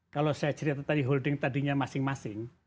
kalau saya cerita tadi holding tadinya masing masing